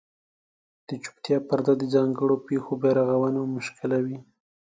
د چوپتیا پرده د ځانګړو پېښو بیارغونه مشکلوي.